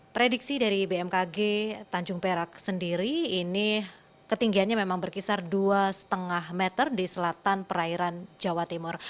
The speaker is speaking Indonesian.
prediksi dari bmkg tanjung perak sendiri ini ketinggiannya memang berkisar dua lima meter di selatan perairan jawa timur